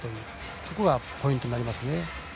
そこがポイントになります。